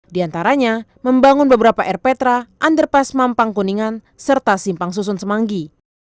diantaranya membangun beberapa air petra underpass mampang kuningan serta simpang susun semanggi